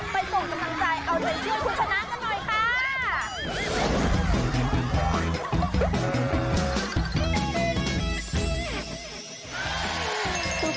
ส่งกำลังใจเอาใจช่วยคุณชนะกันหน่อยค่ะ